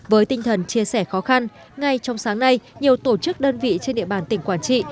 với tinh thần chia sẻ khó khăn ngay trong sáng nay nhiều tổ chức đơn vị trên địa bàn tỉnh quảng trị